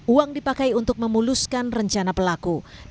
uang dipakai untuk memuluskan rencana pelaku